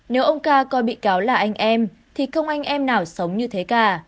nếu ông ca coi bị cáo là anh em thì không anh em nào sống như thế cả